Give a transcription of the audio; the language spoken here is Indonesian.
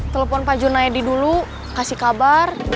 telepon pak junaidi dulu kasih kabar